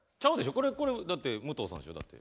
これこれだって武藤さんでしょだって。